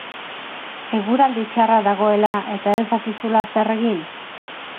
Eguraldi txarra dagoela, eta ez dakizula zer egin?